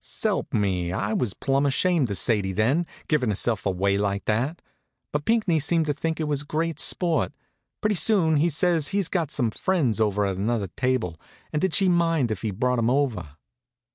S'elp me, I was plumb ashamed of Sadie then, givin' herself away like that. But Pinckney seemed to think it was great sport. Pretty soon he says he's got some friends over at another table, and did she mind if he brought 'em over.